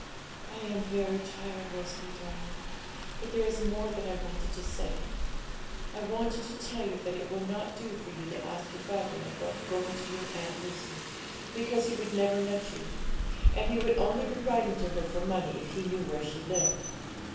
I am very tired, Rosalie darling, but there is more that I wanted to say. I wanted to tell you that it will not do for you to ask your father about going to your Aunt Lucy, because he would never let you, and he would only be writing to her for money if he knew where she lived.